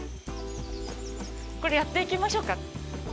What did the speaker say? これ、やっていきましょうか。